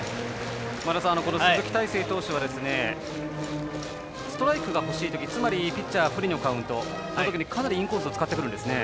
前田さん、鈴木泰成投手はストライクがほしいときつまり、ピッチャー不利のカウントのときかなりインコースを使ってくるんですね。